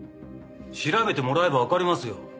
調べてもらえばわかりますよ。